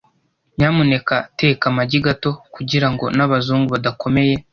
Nyamuneka teka amagi gato kugirango n'abazungu badakomeye .